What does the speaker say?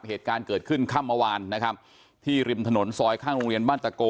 เหตุการณ์เกิดขึ้นค่ำเมื่อวานนะครับที่ริมถนนซอยข้างโรงเรียนบ้านตะโก